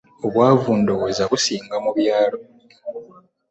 Obwavu ndowooza businga mu byalo.